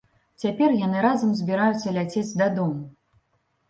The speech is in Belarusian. Цяпер яны разам збіраюцца ляцець дадому.